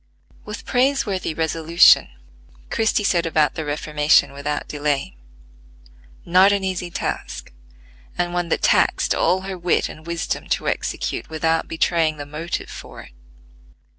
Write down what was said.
With praiseworthy resolution Christie set about the reformation without delay; not an easy task and one that taxed all her wit and wisdom to execute without betraying the motive for it.